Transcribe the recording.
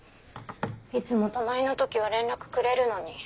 いつも泊まりの時は連絡くれるのに。